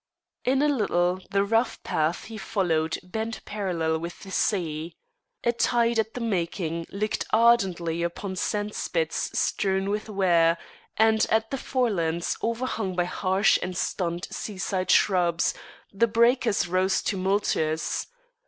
In a little the rough path he followed bent parallel with the sea. A tide at the making licked ardently upon sand spits strewn with ware, and at the forelands, overhung by harsh and stunted seaside shrubs, the breakers rose tumultuous.